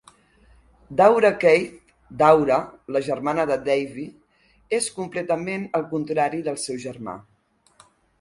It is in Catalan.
Daura Keith - Daura, la germana de Davy, és completament el contrari del seu germà.